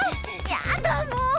やだもう！